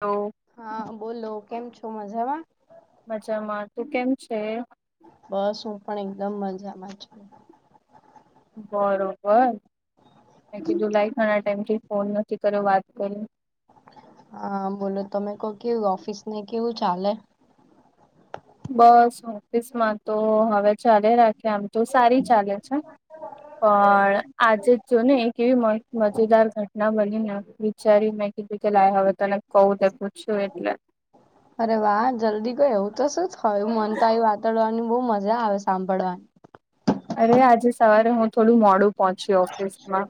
તો હા બોલો કેમ છો મજામાં મજામાં તું કેમ છે. બસ હું પણ એકદમ મજામાં છ બરોબર મે કીધું લાઈકણા ટાઈમ થી ફોન નથી કર્યો વાત કરી હા બોલો તમે કો કેવું ઓફિસ ને કેવું ચાલે બસ ઓફિસમાં તો હવે ચાલે રાખે આમ તો સારી ચાલે છે. પણ આજે જો ને એક કેવી મજેદાર ઘટના બની ને વિચારી મેં કીધું કે લ્યા હવે તને કહું દે પૂછું એટલે અરે વાહ જલ્દી કયો એવું તો શું જ થયું મન તો આવ વાતાવરવાની બહુ મજા આવે સાંભળવાની અરે આજે સવારે હું થોડું મોડું પહોંચી ઓફિસમાં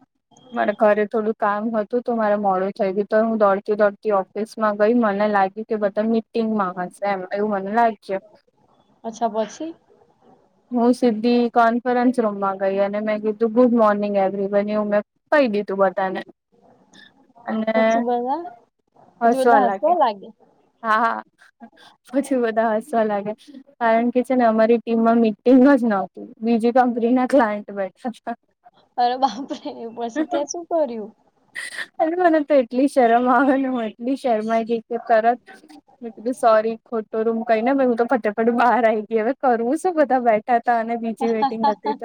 મારા ઘરે થોડું કામ હતું તો મારે મોડું થઈ ગયું હું દોડતી દોડતી ઓફિસ માં ગઈ મને લાગી કે બધા મીટિંગમાં હશે એમ એવું મને લાગ અચ્છછ હું સીધી કોન્ફરન્સ રૂમમાં ગઈ અને મેં કીધું ગુડ મોર્નિંગ એવરી બનું મેં કહી દીધું બધાને અને પછી હસવા લાગે હે હા હા પછું બધા હસવા લાગે કારણ કે છે ને અમારી ટીમમાં મિટિંગ જ નહતું બીજી કંપની ના ક્લાયન્ટ બેઠા અરે બાપરે પછી ત્યાં શું કર્યું અને મને તો એટલી શરમ આવે ને હું એટલી શરમાઈ ગઈ કે તત મે કીધું સોરી ખોટો રૂમ કઈ ને હું તો ફતે પણ બહાર આવી ગઈ હવે કરવું શું બધા બેઠા હતા અને બીજી વેટિંગ હતી તો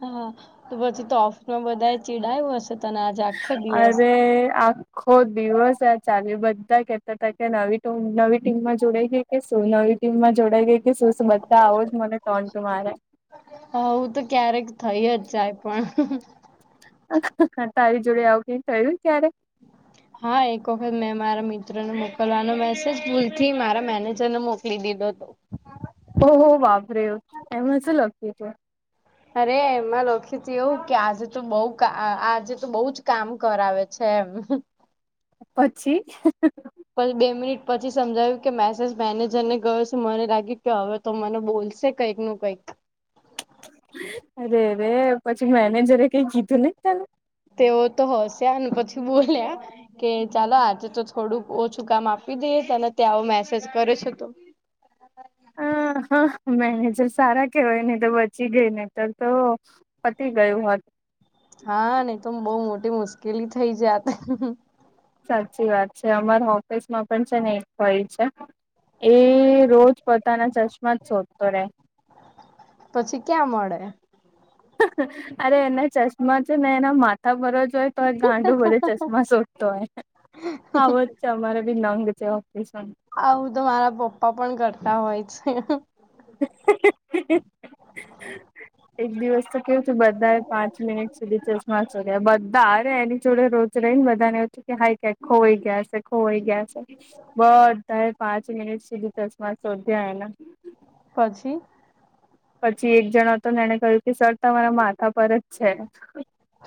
હા તો પછી તો ઓફિસમાં બધા ચીડાયું હશે તને આજે આખો દિવસ અરે આ હો દિવસ ચા બધા કેતા હતા કે નવી નવી ટીમમાં જોડાય ગઈ એ શું નવી ટીમમાં જોડાઈ ગઈ કે શું બધા આવોજ મને ટોન તુ મારે હા હું તો ક્યારેક થઈ જ જાય પણ તારી જોડે આવું કઈ થયું ક્યારે હા એક વખત મેં મારા મિત્રને મોકલવાનો મેસેજ ભૂલથી મારા મેનેજર ને મોકલી દીધો ઓહ વાબરે્યો એ મ લાગતી હતું અરે એમાં લોખીજી એવું કે આજે તો બહ આજે તો બહુ જ કામ કરાવે છે એમ પછી પછી બે મિનિટ પછી સમજાયું કે મેસેજ મેનેજર ને ગયો છેું મને લાગ્યું કે હવે તો મને બોલશે કંઈક નું કંઈક અરે રે પછી મેનેજરે કઈ કીધું નને તને તેઓ તો હસ્યા અને પછી બોલ્યા કે. ચાલો, આજે તો થોડુંક ઓછું કામ આપી દઈએ તે, અને ત્યાં આવો મેસેજ કરે છે તો. હ, હા, મેનેજર સારા કેવાય ને, તો બચી ગઈ ને, તો તો. પતી ગયું હતું. હા નહી, તો બહુ મોટી મુશ્કેલી થઇ જાય. સાચી વાત છે, અમારા ઓફિસ માં પણ છે ને, એક હોય છે. એ રોજ પોતાના ચશ્મા જ શોધતો રે. પછી ક્યાં મળે. અરે એના ચશ્મા છે ને, એના માથા ભરો જ હોય. તો ગાંડો બધા ચશ્મા સોડતોય હ. અમારે ભી નંગ છે, ઓપરીસંગ. આવું તો મારા પપ્પા પણ કરતા હોય છે. [inaudible] એક દિવસ તો કેવું છે, બધા પાંચ મિનિટ સુધી ચ હા, બધા અરે એની જોડે રોજ રહી ને, બધા ને ઓ હાઈ ખોવાઈ ગયા છે, ખોવાઈ ગયા છે. બધાય પાંચ મનિટ શોધી, ચશમા શોધી. પછી. પછી એક જણ હતો ને, એને કહ્યું કે, સર તમારા માથા પર જ છે.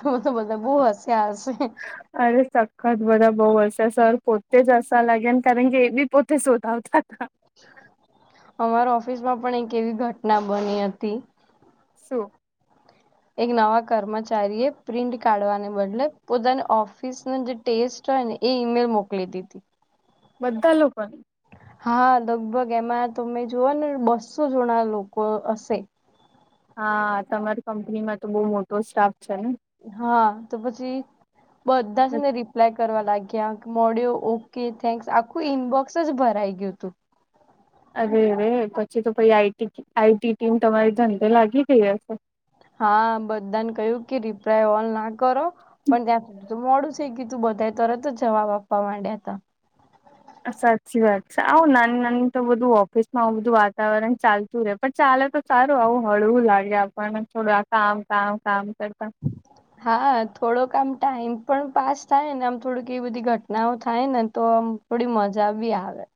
બધ તો, બધા બહુ હોશિયાર હશે. અરે સખત બધા બઉ વિશે, સર પોતે જ હવા લાગે ને, કારણ કે એ બી પોતે. તે શોતા આવતા. અમારા ઓફિસમાં પણ એક એવી ઘટના બની હતી. શું? એક નવા કર્મચારી એ પ્રિન્ટ કાઢવાને બદલે, પોતાની ઓફિસ ન જે. ટેસ્ટ હોય ને, એ ઈમેલ મોકલી દીધી. બધા લોકોને. હા, લગભગ એમાં તમે જોઓ ને, બસો જણા લોકો હશે. હા, તમારી કંપનીમાં તો બહુ મોટો સ્ટાફ છે ને. હા, તો પછી. બધા જ ને, રિપ્લાય કરવા લાગ્યા મોહ્યો, ઓકે થેન્ક્સ આખું ઇનબોક્સ. જ ભરાય ગયો તો. અરે, અરે, પછી તો પ આઈ. ટી. ટીમ તમારી ધંધો લાગી ગઈ હશે. હા, બધાને કહું કે, રિપ્લાય ઓલ ના કરો. પણ ત્યાં સુધી તો મોડું છે, કી તું બધા તરત જ જવાબ આપવા માંડ્યા હતા. સાચી વાત છે, આવું ના નાની તો બધું ઓફિસ માં આવું બધું વાતાવરણ ચાલતું. પણ ચાલે, તો સારું આવું હળવું લાગે, આપણ થોડું કામ કામ કામ કરતા. [unintelligible] હા, થોડોક આમ ટાઈમ પણ પાસ થાય ને, આમ થોડક એવી બધી ઘટનાઓ થાય ને, તો આમ. થોડી મજા બી આવે ને,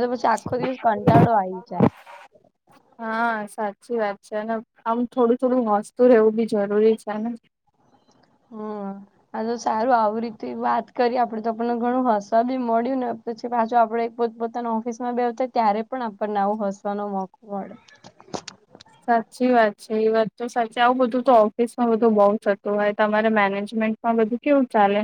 તો પછી આખો દિવસ કંટાળો આવી જાય. હા, સાચી વાત છે ને. આમ, થોડું-થોડું હસ્તુ રહેવું બી જરૂરી છે ને. હમ [inaudible] આ તો સારું આવે, રીતે વાત કરી આપડે, તો આપને ઘણું હસ્યા બી મળ્યું ને. પાછુ આપણે પોતાના ઓફિસમાં બેતા, ત્યારે પણ આપણને આવું હસવાનો મોકો મળે. સાચી વાત છે, એ વાત તો સાચી. આવું બધું તો ઓફિસ માં બધું બહુ થતું હોય, તમારે મેનેજમેન્ટમાં બધું. કેવું ચાલે?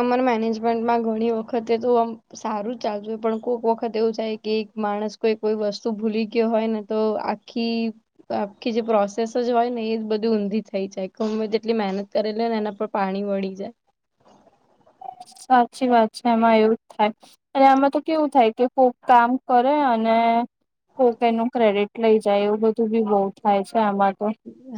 અમાન મેનેજમેન્ટમાં ઘણી વખત તે તો આમ સારું ચાલતું હોય, પણ કોક વખત એવું છાય કે, માણસ કોઈ કોઈ વસ્તુ ભૂલી ગયો હોય ને, તો આ કી તો આખી જે પ્રોસેસજ હોય ને, એ બધી ઊંધી થઈ જાય, ગમે તેટલી મહેનત કરેલી હો ને, એના પર પાણી વળી જાય. સાચી વાત છે, એમાં એવું જ થાય. અને આમાં તો કેવું થાય, કે કોક કામ કરે અને કોકે એનું ક્રેડિટ લઇ જાય, એવું બધું બી બહુ થાય છે આમાં તો.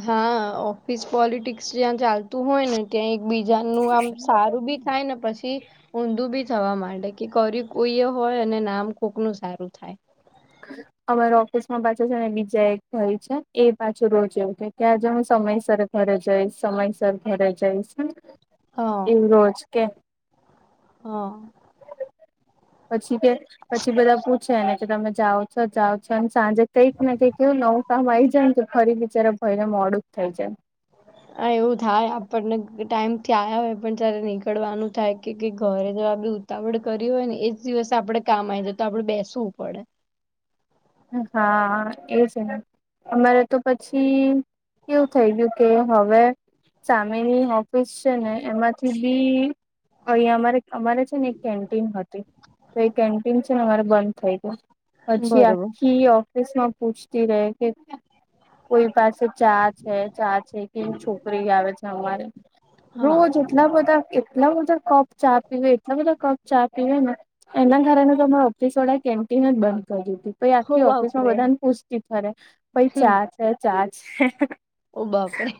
હા, ઓફિસ પોલિટિકસ જ્યાં ચાલતું હોય ને ત્યાં એક બીજાનું આમ સારું બી થાયને, પછી ઊંધું બી થવા માંડે, કે કર્યું કોઈ એ હોય, અને નામ કોકનું સારું થાય. [inaudible] અમારા ઓફિસમાં પાછા છે ને બીજા એક ભાઈ છે, એ પાછું રોજ એવું કે, કે આજે હું સમય સરસજ ઘરે જઈશ, સમયસર ઘરે જઈશ, હા એવું રોજ કે. હા. પછી કે, પછી બધા પૂછે એને કે, તમે જાઉ છો, જાઉ છો, અને સાંજે કઈક ને કઈક એવું નવું કામ આવી જાય ને, કે ફરી બીચારા ભય ને મોડું થઈ છે. આ એવું થાય, આપણને ટાઈમ થી આયા હોય, પણ જ્યારે નીકળવાનું થાય કે, કે ઘરે જ આ બધું આપડે કર્યું હોય ને, એજ દિવસે આપડે કામ આવી જાય, તો આપડે બેસવું પડે. હા, એવુ છેને. અમારે તો પછી, કેવું થઈ ગયું કે, હવે સામેની ઓફિસ છે ને, એમાંથી બી અહીં અમારે, અમારે છે ને એક કેન્ટીન હતી, તો એ કેન્ટીન છે ને અમારે બંધ થઈ ગઇ. પછી બરોબર. આખી ઓફિસ માં પૂછતી રે કે, કોઈ પાસ ચા છે, ચા છે, કેવી છોકરી આવે છે અમારે. હા રોજ એટલા બધા, એટલા બધા કપ ચા પીવે, એટલા બધા કપ ચા પીવેને. એના કારણે તો અમારા ઓફિસ વળાએ કેન્ટીનજ બંધ કરી દીધી. પે હો આખી ઓફિસ માં બાપરે બધાને પૂછતી ફરે, ભાઈ ચા છે, ચા છે. ઓ બાપરે.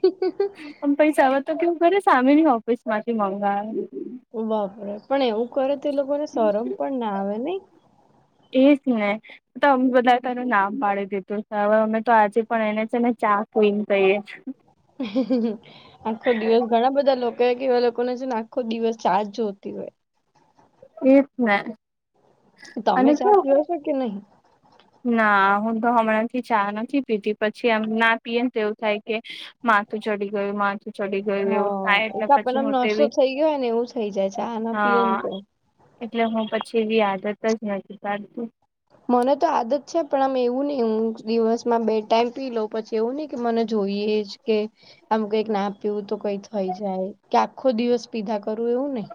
પણ પૈસા, હવે તો કેવું કરે, સામેની ઓફિસ માંથી મંગાવે. ઓ બાપરે! પણ એવું કરે તો એ લોકોને શરમ પણ ના આવે નહી. એજ ને તો અમ બધાએ તો એનું નામ પાડી દીધું, હવે અમે તો આજે પણ એને છે ને, ચા ક્વિન કહીએ. [unintelligible] આખો દિવસ ઘણા બધા લોકો હોય કે, એવા લોકોને છે ને આખો દિવસ ચાજ જોતી હોય. એ જ ને તમે અને ચા કેવું પી ઓ છો કે નહી? ના હું તો હમણાં થી ચા નથી પીતી, પછી એમ ના પીએ તો, એવું થાય કે માથું ચડી ગયું, માથું ચડી ગયું, એવું હા થાય એ એટલે તો પછી આપણને આમ હું તો નશો એવી, થઈ ગયો હોય ને એવું થઇ જાય ચા ના પીએ ને હા તો એટલે હું પછી એવી આદત જ નથી પડતી. મને તો આદત છે, પણ આમ એવું નહી, હું દિવસમાં બે ટાાઈમ પી લઉં, પછી એવું નહિ કે મને જોઈએજ કે આમ કઈક ના પીવું તો કઈ થઈ જાય, કે આખો દિવસ પીધા કરું એવું નઈ.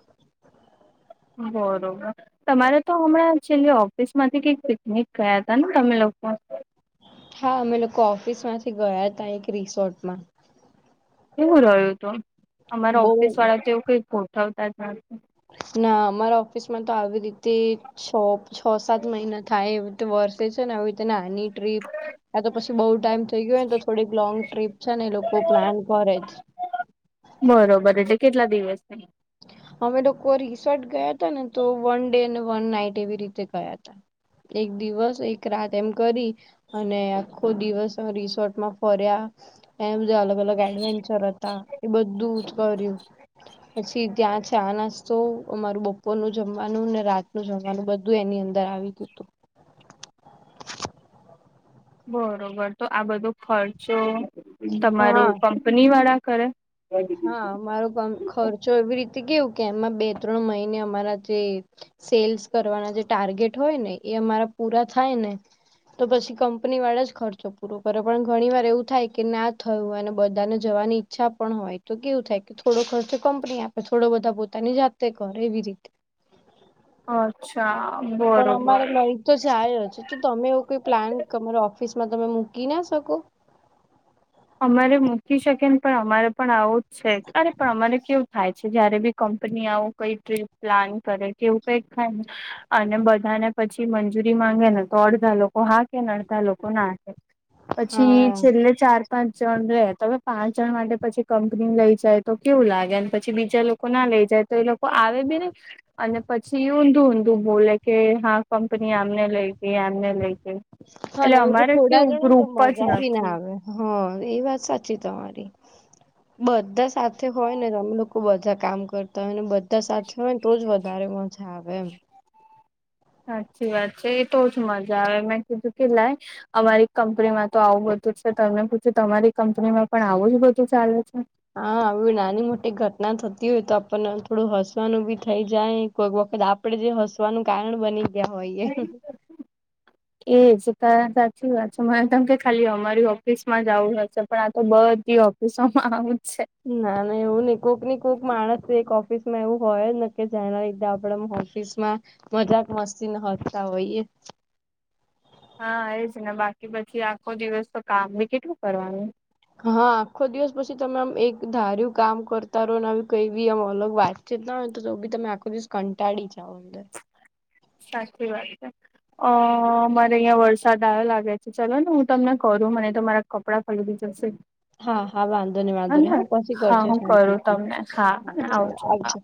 બરોબર તમારે તો હમણાં છેલ્લે ઓફિસ માંથી કઈક પિકનિક ગયા હતા ને તમે લોકો? હા અમે લોકો ઓફિસ માંથી ગયા તા એક રિસોર્ટમાં. કેવું રહ્યું હતું અમારા બહુ ઓફિસ વાળા તો એવું કઈક ગોઠવતા જ નથી. ના અમારા ઓફિસ માં તો આવી રીતે છ છ સાત મહિના થાય એવી રીતે વર્સે છે ને આવી રીતે નાની ટ્રીપ ત્યા તો પછી બઉુ ટાઈમ થઈ ગયોને તો થોડીક લોંગ ટ્રીપ છે ને એ લોકો પ્લાન કરે જ બરોબર એટલે કેટલા દિવસ છે? અમે લોકો રિસોર્ટ ગયા હતા ને તો વન ડે અને વન નાઈટ એવી રીતે ગયા તા. એક દિવસ એક રાત એમ કરી અને આખો દિવસ રિસોર્ટમાં ફર્યા એમ જો અલગ અલગ એડવેન્ચર હતા એ બધું જ કર્યું પછી ત્યાં ચા નાસ્તો અમારું બપોરનું જમવાનું ને રાતનું જમવાનું બધું એની અંદર આવી ગયું હતું. બરોબર તો આ બધું ખર્ચો હા તમારું કં પની વાળા કરે? હા અમારો ખર્ચો એવી રીતે કેવું કે એમાં બે ત્રણ મહિને અમારા જે. સેલ્સ કરવાના જે ટાર્ગેટ હોય ને એ અમારા પૂરા થાય ને. તો પછી કંપની વાળા જ ખર્ચો પૂરો કર્યો પણ ઘણી વાર એવું થાય કે ના થયું અને બધાને જવાની ઈચ્છા પણ હોય તો કેવું થાય કે થોડો ખર્ચ કંપની આપે થોડો બધા પોતાની જાતે કરે એવી રીતે. અચ્છા પણ બરોબર. અમારે લઈ તો જાય જ તો તમે એવો કોઈ પ્લાન તમારા ઓફિસમાં તમે મૂકી ના શકો. અમારે મૂકી શકે ને પણ અમારે પણ આવું જ છે અરે પણ અમારે કેવું. થાય છે જયારે બી કંપની આવું કઈ ટ્રીપ પ્લાન કરે કેવું કઈ થાય અને બધા ને પછી મંજૂરી માંગે ને તો અડધા લોકો હા કે ને અડધા લોકો ના કે. પછી હા છેલ્લે ચાર. પાંચ જણ રે તમે પાંચ જણ માટે પછી કંપની લઈ જાય તો કેવું લાગે પછી બીજા લોકો. ના લઈ જાય તો એ લોકો આવે બી નહી. અને પછી ઊંધું ઊંધું બોલે કે હા કંપની આમને લઈ ગઈ આમને લઈ. ગઈ હા એટલે હવેજો અમારે થોડા કેવું જણો ને તો ગ્રુપ જ મજા બી ના નથી આવે. હ એ વાત સાચી તમારી. બધા સાથે હોય ને અમે લોકો બધા કામ કરતા હોય ને બ ધા સાથે હોયને તો જ વધારે મજા આવે એમ. સાચી વાત છે એ તો જ મજા આવે મેં કીધું કે લાય અમારી કંપનીમાં. તો આવું બધું જ છે તમને પૂછ્યું તમારી કંપનીમાં પણ આવું જ બધું ચાલે છે. હા આવી નાની મોટી ઘટના થતી હોય તો આપણને થોડું હસવાનું બી થઈ જાય. કોઈક વખત આપડે જે હસવાનું કારણ બની ગયા હોયએ. એજ તારા સાચી વાત છે મનેમ કે ખાલી અમારી ઓફિસ માં જ આવું હશે પણ આ તો બધી ઓ સોમાં આવું જ છે. ના ના એવું નઈ કોઈક ની કોઈક માણસ એક ઓફિસ માં એવું હોય કે જાયના લીધે આપડે હો. ફીસ માં મજાક મસ્તી મા હોતા હોયએ. હા એજ ને બાકી પછી આખો દિવસ તો કામબી કેટલું કરવાનું. હા આખો દિવસ પછી તમે આમ એક ધાર્યું કામ કરતા રહો કઈ બીમ અલગ વાત. ચીત ના હોય તો બી તમે આખો દિવસ કટાળી જાઓ અંદર. સાચી વાત છે. અ મારે અહં વરસાદ આવયો લાગે છે ચલો ને હું તમને કરું મને તો તમાર. કપડાં પલળી જશે હા હા વાંધો નહી વાંધો નહી હ હા પછી હા કરજો હું કરું શાંતિથી તમને હા આવજો હા.